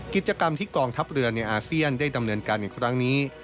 กองทัพเรือในอาเซียนได้ดำเนินการอย่างครั้งนี้